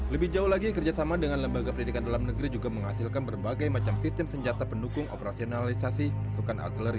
lebih jauh lagi kerjasama dengan lembaga pendidikan dalam negeri juga menghasilkan berbagai macam sistem senjata pendukung operasionalisasi pasukan artileri